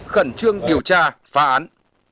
khẩn trương điều tra phá án